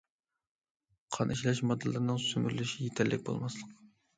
قان ئىشلەش ماددىلىرىنىڭ سۈمۈرۈلۈشى يېتەرلىك بولماسلىق.